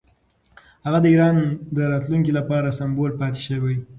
هغه د ایران د راتلونکي لپاره سمبول پاتې شوی.